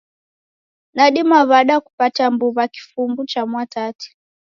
Nadima w'ada kupata mbuw'a kifumbu cha Mwatate?